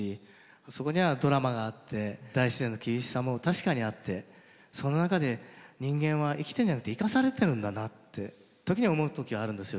そこにはドラマがあって大自然の厳しさも確かにあってその中で人間は生きてるんじゃなくて生かされてるんだなって時には思う時あるんですよ